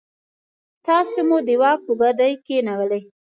تاسو مو د واک په ګدۍ کېنولئ.